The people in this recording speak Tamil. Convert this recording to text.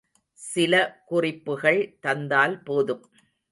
சில குறிப்புகள் தந்தால் போதும்.